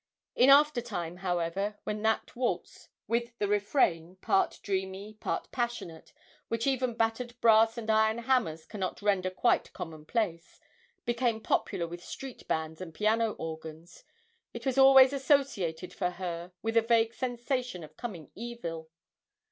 In after time, however, when that waltz, with the refrain, part dreamy, part passionate, which even battered brass and iron hammers cannot render quite commonplace, became popular with street bands and piano organs, it was always associated for her with a vague sensation of coming evil.